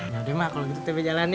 yaudah mak kalau gitu tepi jalan ya